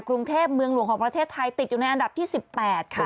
กรุงเทพเมืองหลวงของประเทศไทยติดอยู่ในอันดับที่๑๘ค่ะ